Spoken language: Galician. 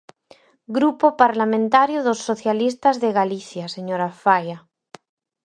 Grupo Parlamentario dos Socialistas de Galicia, señora Faia.